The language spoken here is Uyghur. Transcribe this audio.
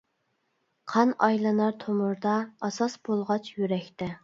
قان ئايلىنار تومۇردا، ئاساس بولغاچ يۈرەكتە.